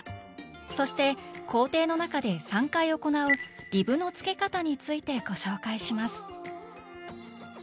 そして工程の中で３回行う「リブのつけかた」についてご紹介します